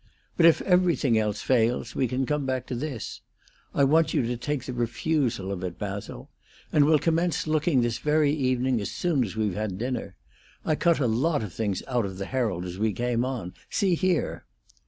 But if everything else fails, we can come back to this. I want you to take the refusal of it, Basil. And we'll commence looking this very evening as soon as we've had dinner. I cut a lot of things out of the Herald as we came on. See here!"